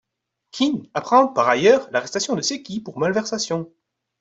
Kin apprend, par ailleurs, l'arrestation de Seki pour malversations.